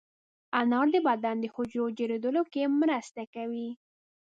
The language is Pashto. انار د بدن د حجرو جوړېدو کې مرسته کوي.